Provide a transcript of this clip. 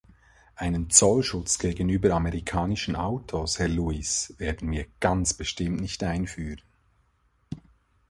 Einen Zollschutz gegenüber amerikanischen Autos, Herr Louis, werden wir ganz bestimmt nicht einführen.